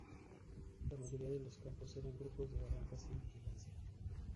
La mayoría de los campos eran grupos de barracas sin vigilancia.